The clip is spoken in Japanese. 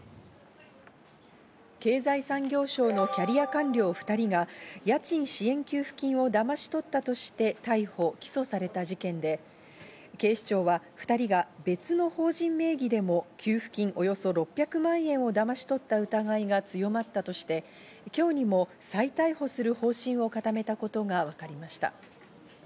経済産業省のキャリア官僚２人が家賃支援給付金をだまし取ったとして逮捕起訴された事件で、警視庁は２人が別の法人名義でも給付金、およそ６００万円をだまし取った疑いが強まったとして、今日にも再逮捕する方針を固めたことがわかりました。